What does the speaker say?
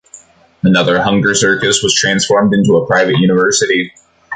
Another hunger circus was transformed into a private university.